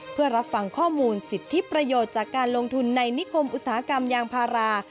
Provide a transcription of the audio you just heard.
เพื่อรับฟังข้อมูลสิทธิประโยชน์จากการลงทุนในนิคมอุตสาหกรรมยางพารา